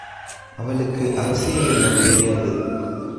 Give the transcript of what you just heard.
அவளுக்கு அரசியல் எல்லாம் தெரியாது.